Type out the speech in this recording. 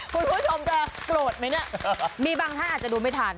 คุณผู้ชมจะโกรธไหมเนี่ยมีบางท่านอาจจะดูไม่ทัน